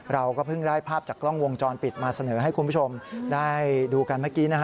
เราก็เพิ่งได้ภาพจากกล้องวงจรปิดมาเสนอให้คุณผู้ชมได้ดูกันเมื่อกี้นะฮะ